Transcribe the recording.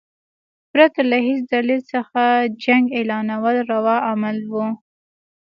پرته له هیڅ دلیل څخه جنګ اعلانول روا عمل وو.